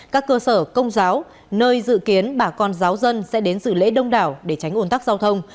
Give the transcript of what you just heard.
các cơ sở công giáo nơi dự kiến bà con giáo dân sẽ đến dự lễ đông đảo để tránh ồn tắc giao thông